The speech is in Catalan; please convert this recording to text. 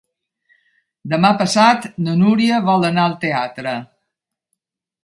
Demà passat na Núria vol anar al teatre.